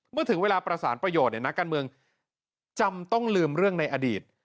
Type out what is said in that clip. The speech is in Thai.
ถึงเวลาประสานประโยชน์นักการเมืองจำต้องลืมเรื่องในอดีต